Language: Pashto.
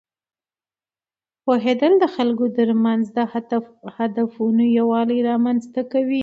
پوهېدل د خلکو ترمنځ د هدفونو یووالی رامینځته کوي.